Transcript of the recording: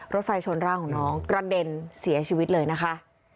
รถไฟชนร่างของน้องกระเด็นเสียชีวิตเลยนะคะ